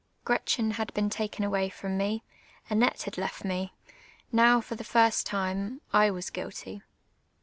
Gretchen had been taken awav from me ; Annette had left me ; now, for the first time, I was guilty.